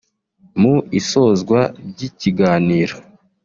Mu isozwa ry’ikiganiro